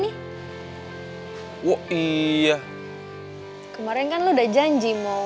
employed ya hasmat kemarin canta janji mau menemani gue sama papi heat hai